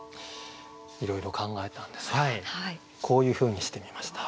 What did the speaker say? いろいろ考えたんですがこういうふうにしてみました。